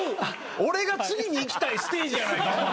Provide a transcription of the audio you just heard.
俺が次にいきたいステージやないかお前。